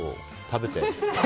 食べて。